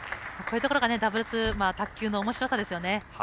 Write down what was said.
こういうところがダブルス卓球のおもしろさですよね。